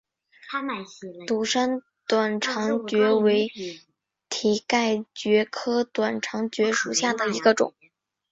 独山短肠蕨为蹄盖蕨科短肠蕨属下的一个种。